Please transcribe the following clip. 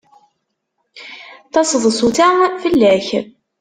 Taseḍsut-a fell-ak.